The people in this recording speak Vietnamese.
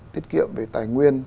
tiết kiệm về tài nguyên